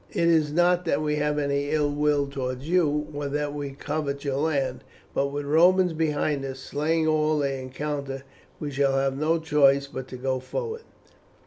It is not that we have any ill will towards you, or that we covet your land, but with the Romans behind us, slaying all they encounter, we shall have no choice but to go forward.